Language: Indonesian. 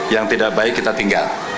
yang tidak baik kita tinggal